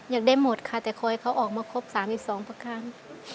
อยากได้หมดค่ะแต่คอยเขาออกมาครบสามอีกสองพักครั้ง